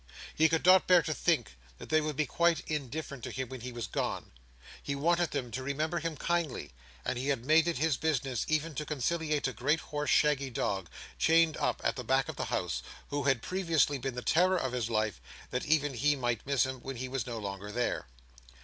He could not bear to think that they would be quite indifferent to him when he was gone. He wanted them to remember him kindly; and he had made it his business even to conciliate a great hoarse shaggy dog, chained up at the back of the house, who had previously been the terror of his life: that even he might miss him when he was no longer there.